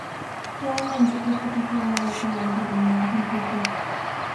Realmente cres que a sociedade daquela altura non era conflitiva?